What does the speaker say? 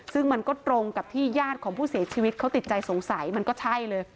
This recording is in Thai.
ซึ่งมันก็ตรงกับที่ญาติของผู้เสียชีวิตเขาติดใจสงสัยมันก็ใช่เลย